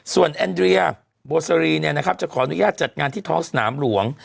ส่วนแอนเรียโบสรีจะขออนุญาตจัดงานที่ท้องสนามหลวง